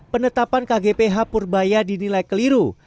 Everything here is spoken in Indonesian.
penetapan kgph purbaya dinilai keliru